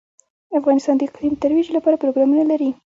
افغانستان د اقلیم د ترویج لپاره پروګرامونه لري.